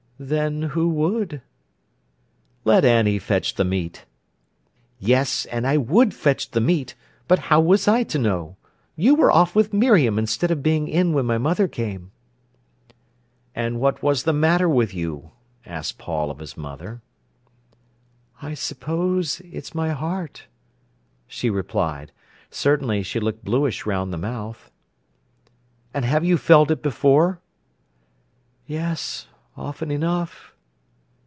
"Then who would?" "Let Annie fetch the meat." "Yes, and I would fetch the meat, but how was I to know. You were off with Miriam, instead of being in when my mother came." "And what was the matter with you?" asked Paul of his mother. "I suppose it's my heart," she replied. Certainly she looked bluish round the mouth. "And have you felt it before?" "Yes—often enough."